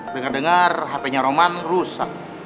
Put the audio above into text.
dengar dengar hpnya roman rusak